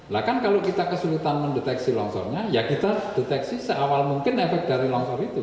lah kan kalau kita kesulitan mendeteksi longsornya ya kita deteksi seawal mungkin efek dari longsor itu